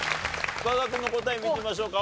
深澤君の答え見てみましょうか。